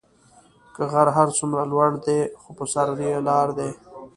كه غر هر سومره لور دي خو به سر ئ لار دي.